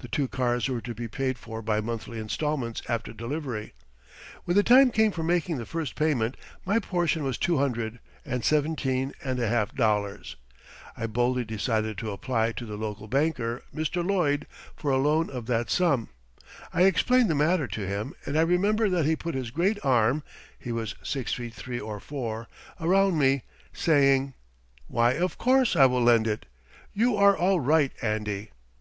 The two cars were to be paid for by monthly installments after delivery. When the time came for making the first payment, my portion was two hundred and seventeen and a half dollars. I boldly decided to apply to the local banker, Mr. Lloyd, for a loan of that sum. I explained the matter to him, and I remember that he put his great arm (he was six feet three or four) around me, saying: "Why, of course I will lend it. You are all right, Andy."